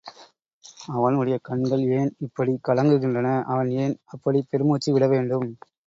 அவனுடைய கண்கள் ஏன் இப்படிக் கலங்குகின்றன?... அவன் ஏன் அப்படிப் பெருமூச்சு விடவேண்டும்?....